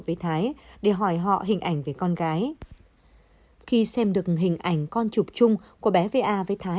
với thái để hỏi họ hình ảnh về con gái khi xem được hình ảnh con chụp chung của bé va với thái